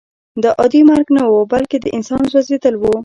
دا عادي مرګ نه و بلکې د انسان سوځېدل وو